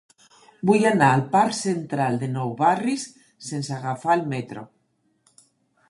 Vull anar al parc Central de Nou Barris sense agafar el metro.